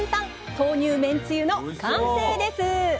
「豆乳めんつゆ」の完成です！